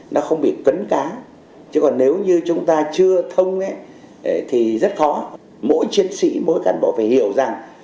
nó không bị cấn cá chứ còn nếu như chúng ta chưa thông thì rất khó mỗi chiến sĩ mỗi cán bộ phải hiểu rằng